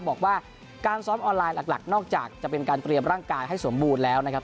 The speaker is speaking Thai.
บอกว่าการซ้อมออนไลน์หลักนอกจากจะเป็นการเตรียมร่างกายให้สมบูรณ์แล้วนะครับ